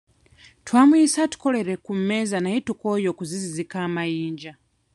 Twamuyise atukolere ku mmeeza naye tukooye okuzizizika amayinja.